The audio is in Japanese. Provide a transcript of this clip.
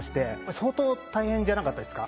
相当大変じゃなかったですか？